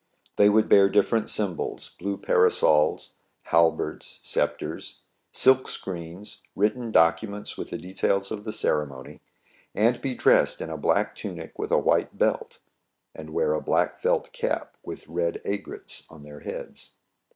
They would bear different symbols, — blue parasols, halberds, sceptres, silk screens, written documents with the details of the. ceremony, and be dressed in a black tunic with a white belt, and wear a black felt cap with red aigrettes on their heads.